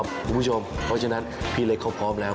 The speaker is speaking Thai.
เพราะฉะนั้นพี่เล็กเขาพร้อมแล้ว